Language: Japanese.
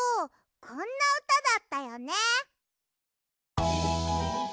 こんなうただったよね。